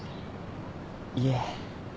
いえ。